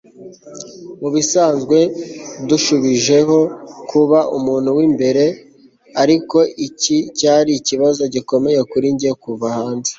mubisanzwe ndushijeho kuba umuntu w'imbere, ariko iki cyari ikibazo gikomeye kuri njye kuva hanze